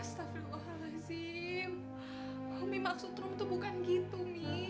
sepirul halai zim umi maksud rom tuh bukan gitu mi